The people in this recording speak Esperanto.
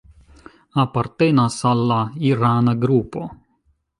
Apartenas al la irana grupo.